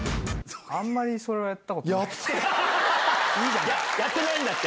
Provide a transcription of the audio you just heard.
あんまりそれはやったことないいじゃんか。